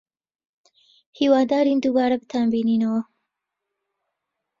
هیوادارین دووبارە بتانبینینەوە.